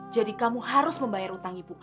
jadi kamu harus membayar utang ibu